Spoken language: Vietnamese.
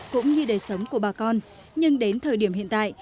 cũng như đời sống của bà con nhưng đến thời điểm hiện tại